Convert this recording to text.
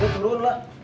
ayo turun lah